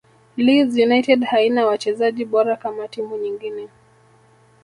leeds united haina wachezaji bora kama timu nyingine